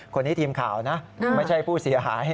คนนี้ทีมข่าวนะไม่ใช่ผู้เสียหาย